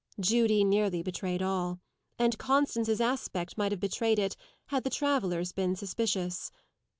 Judy nearly betrayed all; and Constance's aspect might have betrayed it, had the travellers been suspicious.